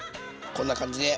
こんな感じで。